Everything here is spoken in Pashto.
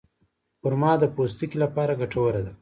خرما د پوستکي لپاره ګټوره ده.